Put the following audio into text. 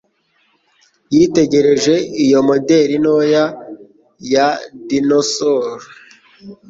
Yitegereje iyo moderi ntoya ya dinosaur.